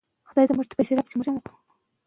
موږ د خپلو مشرانو په افکارو ویاړو.